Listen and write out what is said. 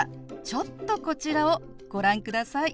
ちょっとこちらをご覧ください。